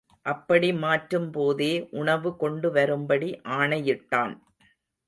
அப்படி மாற்றும்போதே உணவு கொண்டுவரும்படி ஆணையிட்டான்.